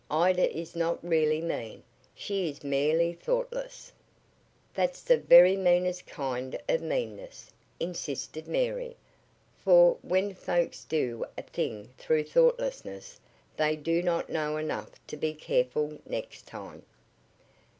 Ida is not really mean. She is merely thoughtless." "That's the very meanest kind of meanness," insisted Mary, "for, when folks do a thing through thoughtlessness they do not know enough to be careful next time."